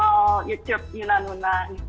youtube yuna nuna